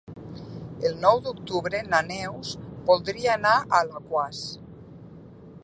El nou d'octubre na Neus voldria anar a Alaquàs.